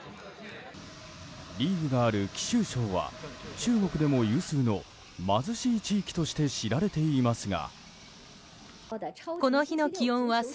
リーグがある貴州省は中国でも有数の貧しい地域として知られていますが。